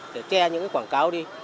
để che những quảng cáo đi